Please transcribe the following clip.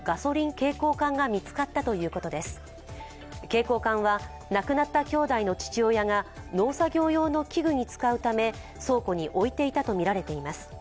携行缶は亡くなった兄弟の父親が農作業用の機具に使うため倉庫に置いていたとみられています。